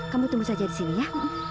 kamu tunggu saja di sini ya